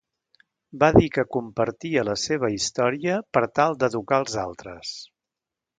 Va dir que compartia la seva història per tal d'educar els altres.